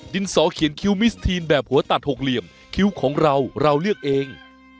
สอเขียนคิ้วมิสทีนแบบหัวตัดหกเหลี่ยมคิ้วของเราเราเลือกเอง